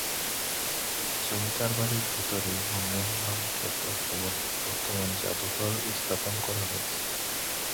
জমিদার বাড়ির ভেতরে রং মহল নামে খ্যাত ভবনে বর্তমানে জাদুঘর স্থাপন করা হয়েছে।